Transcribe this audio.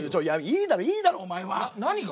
いいだろいいだろお前は！何が？